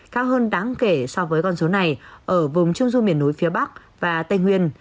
cao hơn đáng kể so với con số này ở vùng trung du miền núi phía bắc và tây nguyên